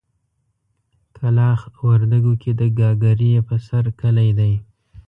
کلاخ وردګو کې د ګاګرې په سر کلی دی.